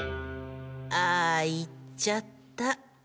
あ行っちゃった。